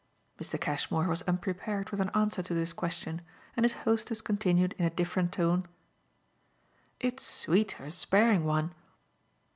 Mr. Cashmore was unprepared with an answer to this question, and his hostess continued in a different tone: "It's sweet her sparing one!"